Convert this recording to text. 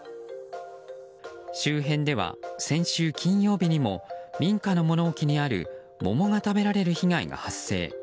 周辺では先週金曜日にも民家の物置にある桃が食べられる被害が発生。